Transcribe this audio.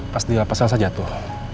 pas dia pasel saya jatuh